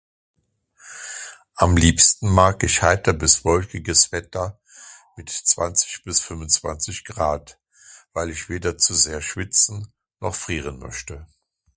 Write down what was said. Am liebsten mag ich heiter bis wolkiges Wetter mit 20 bis 25 Grad, weil ich weder zu sehr schwitzen noch frieren möchte.